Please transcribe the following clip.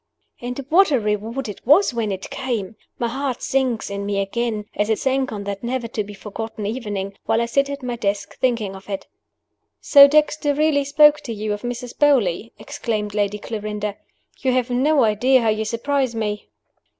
And what a reward it was, when it came! My heart sinks in me again as it sank on that never to be forgotten evening while I sit at my desk thinking of it. "So Dexter really spoke to you of Mrs. Beauly!" exclaimed Lady Clarinda. "You have no idea how you surprise me."